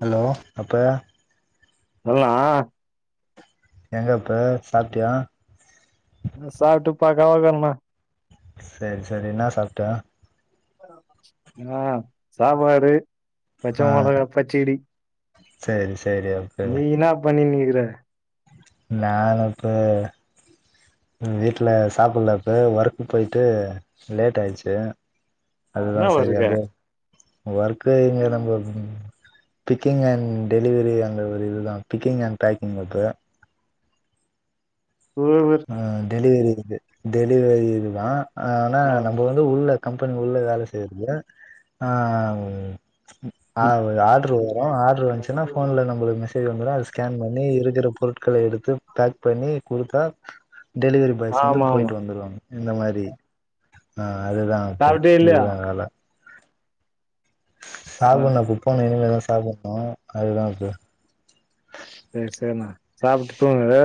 Hello அப்பா நல்லா எங்கப்ப சாப்ட்டியா நா சாப்டுப்பாக்க அவருக்கென்ன செரி செரி என்ன சாப்ட்ட ஆ சாப்பாடு பச்ச மொளகா பச்சடி செரி சே நீ என்னா பண்ணின்னிருக் த நானு இப்ப ம் வீட்ல சாப்டலப்ப ஒர்க் போயிட்டு லேட் ஆயிச்சி அதுதா என்னாவா சரி இருக்க அப்டியே ஒர்க்கு இங்க நம்ம பிக்கிங் அண்ட் டெலிவரி அந்த ஒரு இதுதா பிக்கிங் அண்ட் பேக்கிங் ஒர்க் எவ்ளோ ஒர்க் ஆ டெலிவரி இது டெலிவரி இது தா ஆ ஆனா ஆ நம்ப வந்து உள்ள கம்பெனி உள்ள வேல செய்றது ஆ ஆ ம். ஆர்டரு ஆர்டரு வந்துச்சின்னா போன்ல நம்மளுக்கு மெசே மெசேஜ் வந்துரு அத ஸ்கேன் பண்ணி இருக்கிற பொருட்கள எடுத்து பேக் பண்ணி குடுத்தா டெலிவரி பாய்ஸ் வந்து ஆமா ஆமா போயிட்டு வந்துருவாங்க இந்த மாரி ஆ அதுதா அது சாப்ட்டியா இல்லயா இதுதா வேல சா சாப்ன்னு புக் பண்ணே இனிமேதா சாப்டணு அதுதா இப்ப சேரி சேரிண்ணா சாப்ட்டு தூங்குங்க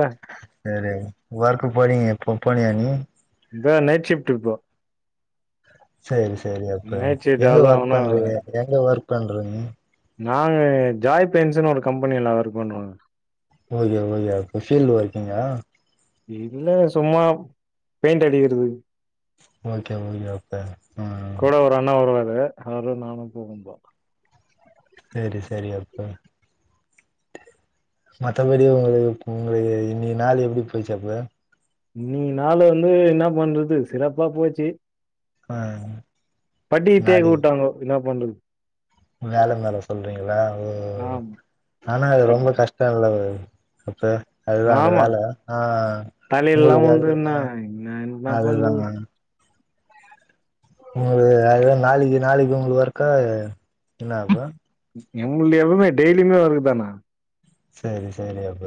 சேரி ஒர்க்கு போனியே இப்ப போனியா நீ இந்தா நைட் ஷிஃப்ட் இப்போ சேரி சே சேரி அப்ப நைட் ஷிஃப்ட் எங்க அவ்ளோ ஒர்க் ஒன்னு பண்றீங்க எங்க ஒர்க் பண்றீங்க நாங்க ஜாய் பென்ஷன் ஒரு கம்பனில ஒர்க் பண்றோங்க ஓகே ஓகே அப்ப பீல்ட் ஒர்க்கிங்கா இல்ல சும்மா பெயிண்ட் அடிக்கிறது ஓகே ஓகே அப்ப ம் கூட ஒரு அண்ணே வருவாரு அவரு நானு போகும்பா சேரி சேரி அப்ப மத்தபடி உங்களுக்கு உங்களுக்கு இன்னக்கி நாளு எப்டி போயிச்சு அப்ப இன்னக்கி நாளு வந்து என்ன பண்றது சிறப்பா போச்சு ஆ பட்டிய தேக்க நாளைக்கு வுட்டாங்கோ இன்னப் துண்டில் வேல மேல சொல்றீங்களா ஒ ஒ ஆம் ஆனா அது கட் ரொம்ப கஷ்டோ இல்ல ஃப்ரதர் அத்த அதுதா அந்த ஆமா வேல ஆ தலையில இல்லாம உங்களுக்கு அது ஆ உழுந்ததுன்னா நா என்ன என்ன பண்றது அதுதாங்க உங்களுக்கு அது நாளைக்கி நாளைக்கி உங்க வொக்க என்ன ஆகு எங்களது எவளுவே டெய்லியுமே வருதுதான்ன செரி செரி அப்ப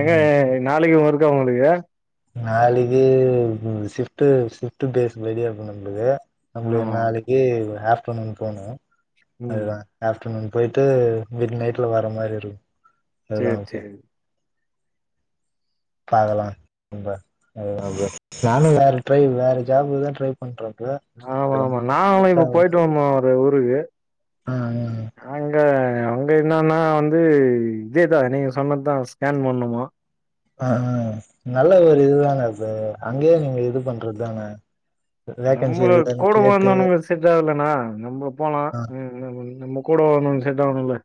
ஏங்க ம் எ நாளைக்கி ஒரு இருக்கா உங்களுக்கு நாளைக்கி ஷிப்ட்டு ஷிப்ட் ஃபேஸ் ரெடியா இருக்கும் நம்மளுக்கு நம்மளுக் ஆமா நாளைக்கி ஒ ஆப் போனு இப்போனு ம் அதுதா ஆஃப்டர்நூன் போயிட்டு வீட்ல நைட்ல வர மாறி இருக்கு அதுதா சேரி இப்போ சேரி இப்ப அதல்லா ரொம்ப அதுதா உள்ள நானு வேற ட்ரை வேற ஜாப்புதா ட்ரை பண்ற ப்ரோ ஆமா ஆமா நாங்களு இப்ப போயிட்டோ வந்தோ ஒரு ஊரு ருக்கு ஆ நாங்க அங்க என்னன்னா வந்து இதேதா நீங்க சொன்னதுதா ஸ்கேன் பண்ணுமா ஆ நல்ல ஒரு இதுதானா சார் அங்கயே நீங்க இது பண்றது தானா நம்ம கூட வந்தோனும செட் ஆகலனா நம்ம போலா ஆ கூட வரவங்க செட் ஆகணு இல்ல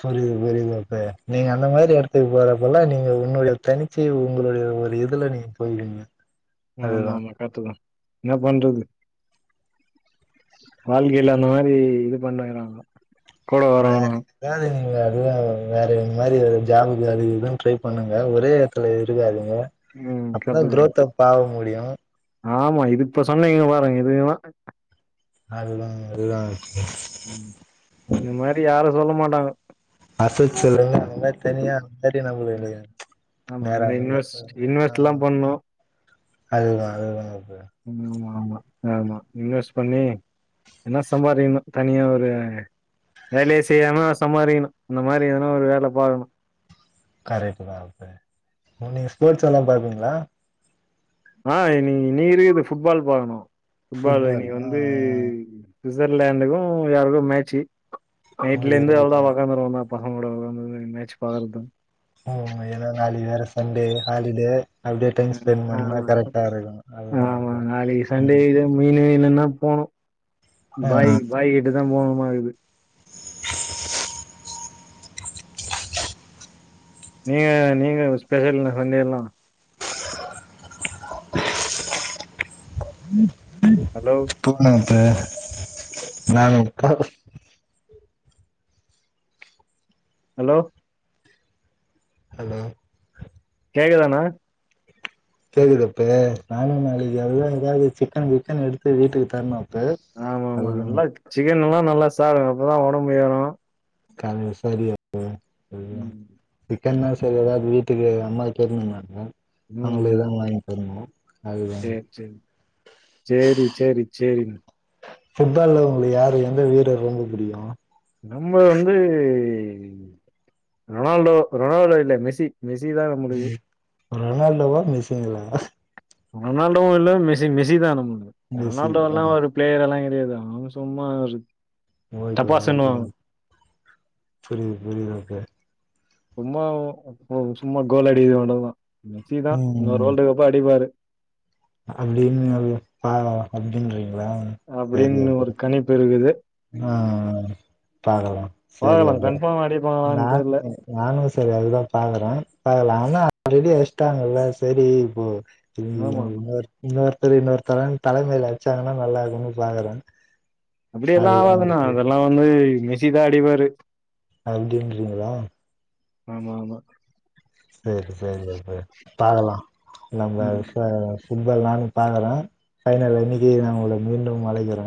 புரியுது புரியுது அப்ப நீங்க அந்த மாரி இடத்துக்கு போறப்பல்லா நீங்க உங்களுடைய தனிச்சை உங்களுடைய ஒரு இதுல நீங்க போயிடுங்க ஆமா ஆமா கரட்டுதா என்ன பண்றது வாழ்க்கையில அந்த மாறி இது பணினுருகங்க வேற வேற ஏங்க அதுதாங் வேற இந்த மாரி ஜாப்க்கு அதுக்குதா ட்ரை பண்ணுங்க ஒரே எடத்துல இருக்காதீ ங்க ம் அப்பதா கரெக்ட்டுதா குரோதப் ஆவு முடியு ஆமா இது இப்ப சொன்னீங்க பாருங்க இதுதா அதுதாங் அதுதாங் இந்த மாறி யாரு சொல்ல மாட் நாங் அட்த்தது சொல்லுங்க நல்லா தனியா ஏ டி யம் நம்முளுக்கு ருந்து ஆமா நேரா இந்த அந்தது இன்வெஸ்ட் ஆ இன்வெஸ்ட்லா பண்ணு அதுவா அதுதா ம் ஆமா ஆமா இன்வெஸ் பண்ணி என்ன சம்பாரிகணு தனியா ஒரு வேலையே செய்யாம சம்பாரிக்கணு அந்த மாரி ஏதனா ஒரு வேல பாக்ணு கரெக்ட் நாப்பு உன்னேய ஸ்போர்ட்ஸ் எல்லா பாப்பீங்களா ஆ நீ நீருக்து ஃபுட்பால் பாக்கணு ஃபுட்பால் ஒதகனே வந்து சுசர்ட்லாண்டுக்கு யாருக்கு மேட்சு ஆ நைட்ல ஓகே இருந்து அவ்ளதா ஓகே உக்காந்துருவ நான் பசங்களோட வளந்தது இந்த மேட்ச் பாக்கறதுக்தா உம் ஏனா நாளைக்கு வேற சண்டே ஹாலிடே அப்டியே டைம் ம் ஸ்பெண்ட் பண்ணா ஆமா கரெக்டா இருக்கு அதுதா ஆமா அது நாளகி சண்டே ம் இது மீனு இல்லனா போனு ஆ பாய் பாய் கட்டு தா போனு மல இது நீங்க நீங்க ஸ்பெஷல்ல பன்னிரலா உம் ஹலோ தூங்குராங்க ப்பே நாங்க உட்காந்து ஹலோ ஹலோ கேக்குதான கேக்குதா அப்பு நானு நாளைக்கி [unintelligible] சிக்கன் கிக்கன்னு எடுத்து வீட்டுக்குத் தரணு அப்பு ஆமா ஆமா அதுதா நல்லா சிக்கன் எல்லா நல்லா சா அப்பதா ஒடம்பு ஏறு காலைல சொரி அப்பு ம் கென்ன சரி எதாது வீட்டுக்கு அம்மா கேட்டிருந்தாங்க நாங்களேதான் வாங்கி போயிருந்தோ செரி செரிங் செரி செரி செரிங் ஃபுட்டா இருந்தாலு உங்களுக்கு யாரு எந்த வீரர் ரொம்ப புடிக்கு நம்ம வந்து ரொனால்டோ ரொனால்டோ இல்ல மெஸி மெஸி தா நம்மளுக்கு ரொனால்டோவா மெஸிங்கல ரொனால்டோவு இல்ல மெஸி மெஸி தா நம்மளுக் மெஸ்ஸி ரொனால்டோ ஆ எல்லா ஒரு பிளேயர்ல்லா தே தா அவ சும்மா ஓகேங்க டப்பாசுன்னு ஓகேங்க புரியுது புரியுது எனக் சும்மா ஒ சும்மா கோல் அடிக்ர அவ்ளோதா நச்சி தா இன்னோரு ம் வோல்டு கப்பு அடிப்பாரு அப்டின்னு பா அப்டின்றி அப்டின்னு ஒரு கணிப்பு இருக்குது அ அ பாக்கலா சேரி பாக்கலாம் ஓகே கன்ஃபார்ம் எநா அடிப்பாங்களான்னு தெர்ல. நானு சரி அதுதா பாக்குற பாக்கலா ஆனா ரெடி அஷ்சட்டாங்கல்ல சரி இப்போ ஆமாமா. இன்னோர் இன்னோர் செரி இன்னொரு தலன் தலைமைல வச்சாங்கன்னா நல்லா இருக்குன் பாக்குற அப்டி எல்லா ஆவாதுண்ணா அதல்லா வந்து மிசி தா அடிபாரு அப்டின்றீங்ளா ஆமா ஆமா சேர் சேரி அப்ப பாக்கலா நம்ப ம். விஸ்வா கரா ஃபுட்பால் நானு பாக்கற ஃபைனல் அன்னிக்கி நா ஒங்கள மீண்டு அழைக்கிற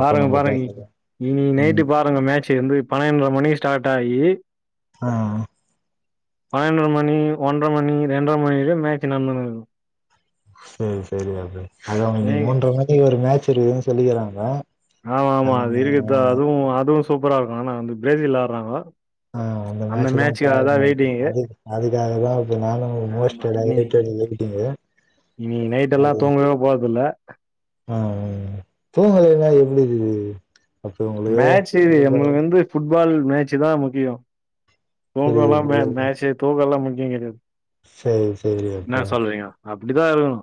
பாருங்க பாருங்க இன்னிக்கு நைட்டு ம் பாருங்க மேச்சு வந்து பன்னெண்ர மணிக்கி ஸ்டாட் ஆயி ஆ பனண்ற மணி ஒன்ற மணி ரெண்டர மணி‌ இதா மேச்சு நட்ந்துனு இருக்கு சேரி சேரி அது அதா இன்னிக் ஏங்க மூன்ற மணி ஒரு மேட்ச் தெரியிதுன் சொல்லிக்கிறாங்க ஆமா ஆமா அந்த அது இருக்கத்த மா- அதுவு அதுவு சூப்பரா இருக்கு ஆனா வந்து பிரேஜில் ஆட்றாங்ளா ஆ அந்த மேட்ச் தா பாக்கணு வெயிட்டிங்கு. அதுக்அதுக்காகதா இப்ப நானும் மோஸ்டட் ஆமா. அத இனி பத்தி தெரிஞ்சுக்கிட்டீங்க இன்னிக்கு நைட் அது எல்லாம் ரொம் தூங்கவே போறதில்ல. அ அ தூங்கலைன்னா எப்டி அப்ப உங்களுக்கு மேச்சு இது புரியுது எம்ளுக்கு வந்து ஃபுட் பால் மேச்சி தா முக்கியோ தூங்கலா மே புரியுது மேட்சு தூங்கலா முட் நீங்க என்னது சேரி சேரி அப்பே ப்டிதா இருக்குணு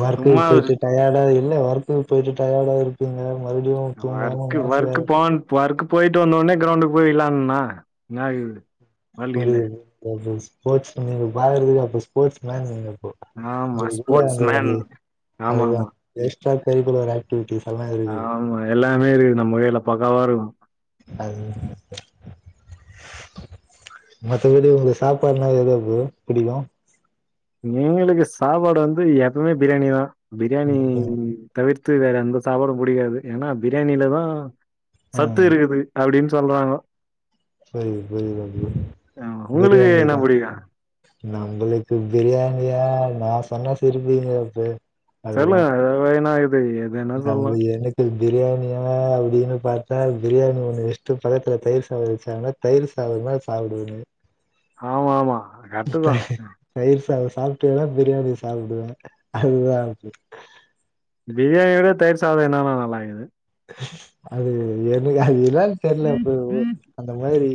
வர்க்குக்கு போயிட்டு டயார்டாயி இல்ல வர்குக்கு போயிட்டு டயர்டா இருப்பீங்க மறுபடியு தூங்காம வர்க்கு மேட்ச் வேற வர்க்கு ஃபோன் வர்க்கு போயிட்டு வந்தோனே க்ரவுண்டுக் போய் விள்ளார்ன்னணா இன்னா இது புரியுது [unintelligible] ஸ்போர்ஸ் நீங்க பாக்றதுக்கு அப்போ ஸ்போர்ஸ் மேன் நீங்க ஆமா உங்ளுக்கு ஸ்போர்ட்ஸ் அது மேன் வந்து ஆமா அதுதா ஆமா வேஸ்டா பெய்டு இது வேற ஆக்டிவிட்டீஸ் ஆமா எல்லா னமே இருக்குது நம்ம கைல பக்காவா இருக்கு அது மத்தபடி உங்ளுக்கு சாப்பாட்னா எது ப்ரோ புடிக்கு எங்கெளுக்கு சாப்பாடு வந்து எப்பமே பிரியாணி தா பிரியாணி தவிர்த் து வேற எந்த சாப்பாடு புடிகாது ஏன்னா பிரியாணிலதா ஆ சத்து இருக்குது அப்டின் சொல்றாங்கோ புரிது புரிது அதியு ஆமா. உங்களுக்கு என்ன பிரியாணிதா புடிக்கு நம்புளுக்கு பிரியாணியா நா சொன்ன சிரிப்பீங்க இப்பே தெர்லங்க அது வய நா இர் நா உங்கள் எனத்தில் பிரியாணியா அப்டின்னு பாத்தா பிரியாணி ஒன்னு வெஷ்ட்டு பக்த்ல தயிர் சாதோ வெச்சாங்னா தயிர் சாததா சாப்டுவனே ஆமாமா தயிர் சாதோ சாப்ட்டேனா பிரியாணி சாப்டுவே அதுதா அப்டி பிரியாணியோட தயிர் சாத என்னன்னா நல்லாக்கிது அது எனுக் அதுதா தெரில ப்பு அந்த மாரி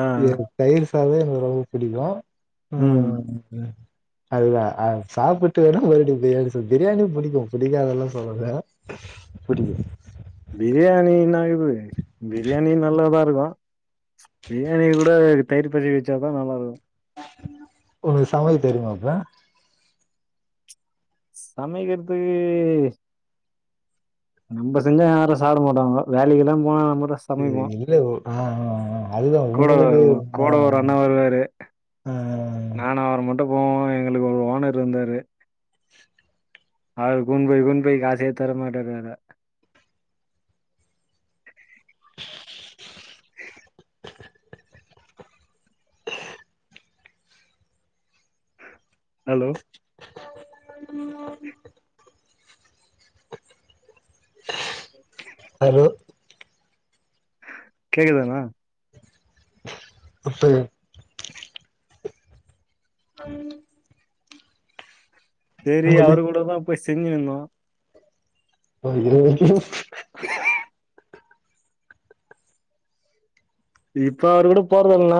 ஆ இது தயிர் தவே ரொம்ப புடிக்கு ம் அதுதா அது சாப்புட்டு வேணா மறுடி பிரியாணி பிரியாணி புடிக்கு புடிக்காதுல்லா சொல்லல புடிக்கு பிரியாணின இது பிரியாணி நல்லாதா இருக்கு பிரியாணி கூட தயிர் பச்சடி வச்சாதா நல்லாருக்கு ஒனக்கு சமைக்க தெரிமா அப்ப சமக்கிற்துக்கு நம்ப செஞ்சா யாரும் சாப்புடமாட்டோங்கோ வேலைக்கில்லா போனா நம்ம தான் இது சமைப்போம். இல்ல உ ஆ ஆ ஆ அதுதான் கூட உங்களுக்கு ஆ கூட ஒரு அண்ணா வருவாரு. ஆ ஆ ஆ ஆ ட்டபோம் எங்களுக்கு ஒரு ஓனருந்தாரு [inaudible] அவர் குட்ன் போய் குட்ன் போய் காசே தரமாட்டாரு வேற [inaudible] ஹலோ [unintelligible] [unintelligible] ஹலோ கேக்குதாங்க அப்பே உஹம் [inaudible] சேரி அவரு கூட தா போய் ஸ் திருஞ்சினுருந்தோ பா இது வெரிக்கும் இப்ப அவர் கூட போறதுல்லனா